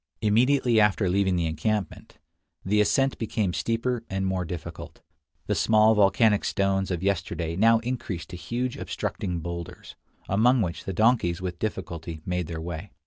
Immediately after leaving the encampment, the ascent became steeper and more difficult; the small volcanic stones of yesterday now increased to huge obstructing boulders, among which the donkeys with difficulty made their way.